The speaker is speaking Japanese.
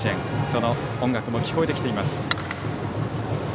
その音楽も聴こえてきています。